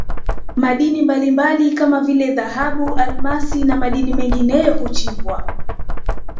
madini mbalimbali kama vile dhahabu almasi na madini mengineyo huchimbwa